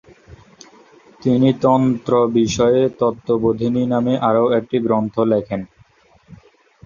তিনি তন্ত্র বিষয়ে "তত্ত্ববোধিনী" নামে আরও একটি গ্রন্থ লেখেন।